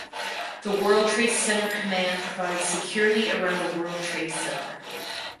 The World Trade Center command provides security around the World Trade Center.